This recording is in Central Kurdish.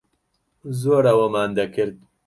زۆر ئەوەمان دەکرد.